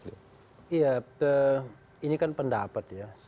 iya ini kan pendapat ya